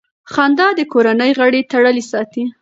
خندا د کورنۍ غړي تړلي ساتي.